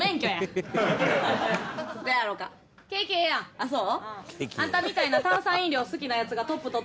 ああそう？